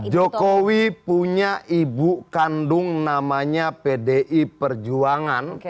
jokowi punya ibu kandung namanya pdi perjuangan